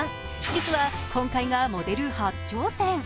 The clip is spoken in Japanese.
実は今回がモデル初挑戦。